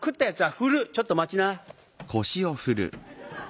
ちょっと待ちな」。